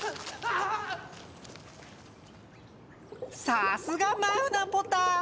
さすがマウナポタ。